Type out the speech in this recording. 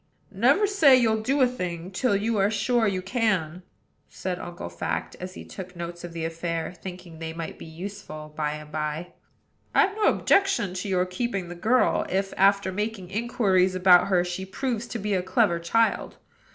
"Never say you'll do a thing till you are sure you can," said Uncle Fact, as he took notes of the affair, thinking they might be useful by and by. "I've no objection to your keeping the girl, if, after making inquiries about her, she proves to be a clever child.